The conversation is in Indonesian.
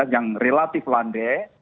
yang relatif landai